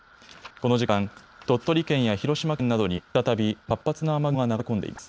この時間、鳥取県や広島県などに再び活発な雨雲が流れ込んでいます。